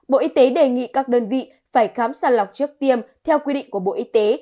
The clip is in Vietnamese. bộ y tế đề nghị các đơn vị phải khám sàng lọc trước tiêm theo quy định của bộ y tế